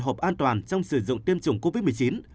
năm mươi hộp an toàn trong sử dụng tiêm chủng covid một mươi chín